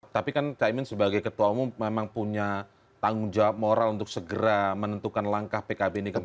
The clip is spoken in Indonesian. tapi kan caimin sebagai ketua umum memang punya tanggung jawab moral untuk segera menentukan langkah pkb ini kemana